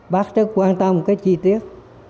bác rất quan tâm cái chi tiết